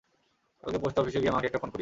কালকে পোস্ট অফিসে গিয়ে মাকে একটা ফোন করিস।